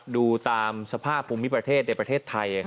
ดูตามสภาพภูมิประเทศในประเทศไทย